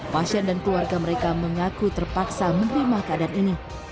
pasien dan keluarga mereka mengaku terpaksa menerima keadaan ini